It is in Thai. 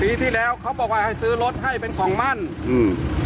ปีที่แล้วเขาบอกว่าให้ซื้อรถให้เป็นของมั่นอืม